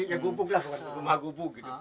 ya gubuk lah rumah gubuk gitu